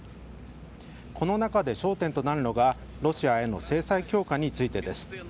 この中で争点となるのがロシアへの制裁強化についてです。